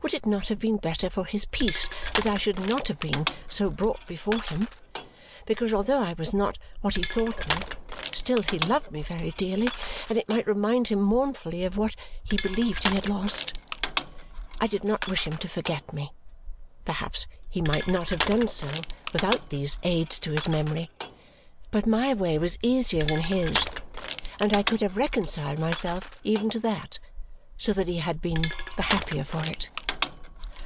Would it not have been better for his peace that I should not have been so brought before him? Because although I was not what he thought me, still he loved me very dearly, and it might remind him mournfully of what be believed he had lost. I did not wish him to forget me perhaps he might not have done so, without these aids to his memory but my way was easier than his, and I could have reconciled myself even to that so that he had been the happier for it.